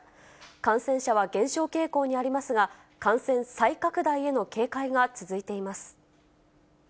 感染者は減少傾向にありますが、感染再拡大への警戒が続いています。